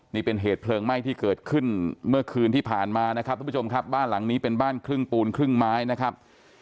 นี่เป็นเหตุเพลิงไหม้ที่เกิดขึ้นเมื่อคืนที่ผ่านมานะครับทุกผู้ชมครับบ้านหลังนี้เป็นบ้านครึ่งปูนครึ่งไม้นะครับ